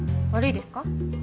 悪いですか？